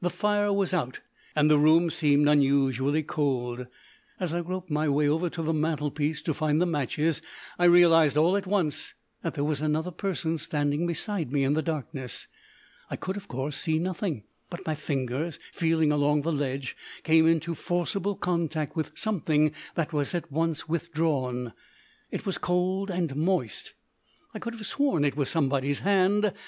The fire was out, and the room seemed unusually cold. As I groped my way over to the mantelpiece to find the matches I realised all at once that there was another person standing beside me in the darkness. I could, of course, see nothing, but my fingers, feeling along the ledge, came into forcible contact with something that was at once withdrawn. It was cold and moist. I could have sworn it was somebody's hand.